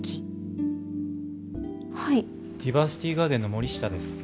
ディバーシティガーデンの森下です。